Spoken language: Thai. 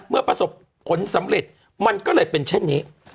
เมื่อประสบผลสำเร็จมันก็เลยเป็นเช่นนี้